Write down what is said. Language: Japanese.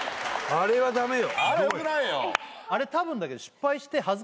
これはダメよ